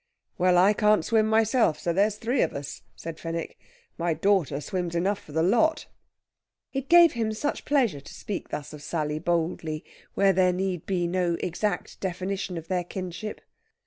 "Well! I can't swim myself, so there's three of us!" said Fenwick. "My daughter swims enough for the lot." It gave him such pleasure to speak thus of Sally boldly, where there need be no exact definition of their kinship.